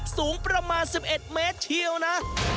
สูงประมาณ๑๑เมตรเชียวนะ